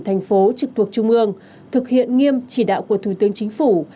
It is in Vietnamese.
thành phố trực thuộc trung ương thực hiện nghiêm chỉ đạo của thủ tướng chính phủ